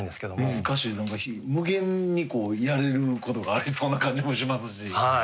何か無限にやれることがありそうな感じもしますし。